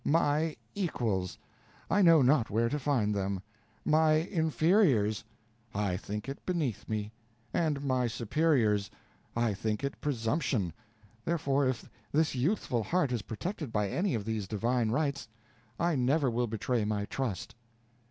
My equals! I know not where to find them. My inferiors! I think it beneath me; and my superiors! I think it presumption; therefore, if this youthful heart is protected by any of the divine rights, I never will betray my trust."